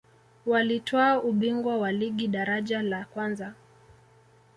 walitwaa ubingwa wa ligi daraja la kwanza